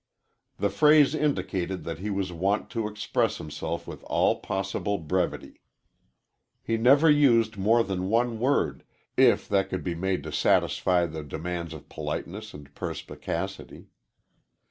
The phrase indicated that he was wont to express himself with all possible brevity. He never used more than one word if that could be made to satisfy the demands of politeness and perspicacity.